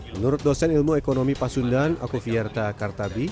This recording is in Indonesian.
menurut dosen ilmu ekonomi pasundan akuvierta kartabi